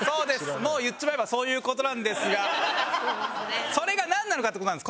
もう言っちまえばそういう事なんですがそれがなんなのかって事なんです。